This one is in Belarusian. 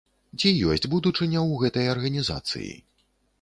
Ці ёсць будучыня ў гэтай арганізацыі?